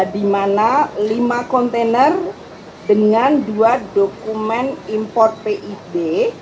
dimana lima kontainer dengan dua dokumen import pid